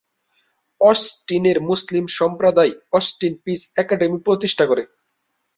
অস্টিনের মুসলিম সম্প্রদায় Austin peace academy প্রতিষ্ঠা করে।